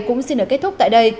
cũng xin ở kết thúc tại đây